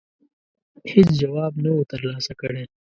هېڅ جواب نه وو ترلاسه کړی.